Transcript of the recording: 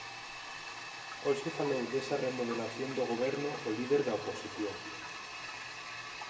Hoxe falou desa remodelación do Goberno o líder da oposición.